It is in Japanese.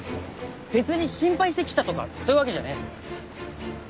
別に心配して来たとかそういうわけじゃねえぞ。